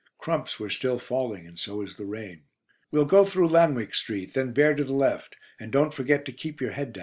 Crumps were still falling, and so was the rain. "We'll go through 'Lanwick Street,' then bear to the left, and don't forget to keep your head down."